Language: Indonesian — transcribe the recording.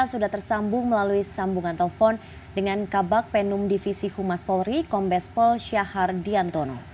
sudah tersambung melalui sambungan telepon dengan kabak penum divisi humas polri kombes pol syahar diantono